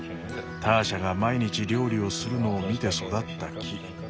ターシャが毎日料理をするのを見て育った木。